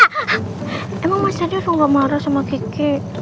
hah emang mas randy selalu nggak marah sama kiki